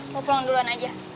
lo pulang duluan aja